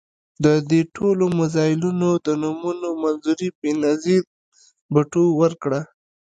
د دې ټولو میزایلونو د نومونو منظوري بېنظیر بوټو ورکړه.